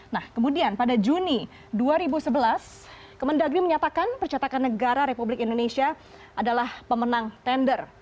nah kemudian pada juni dua ribu sebelas kemendagri menyatakan percetakan negara republik indonesia adalah pemenang tender